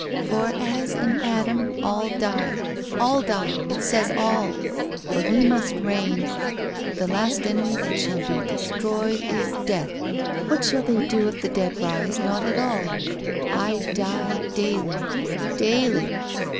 "'For as in Adam all die !* All die ! It says all ! For he must reign. ... The last enemy that shall be destroyed is Death. What shall they do if the dead rise not at all !... I die daily ... 1 Daily